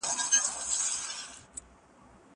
دا سفر له هغه اسانه دی!!